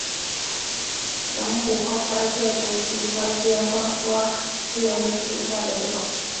阳虎花花介为细花介科花花介属下的一个种。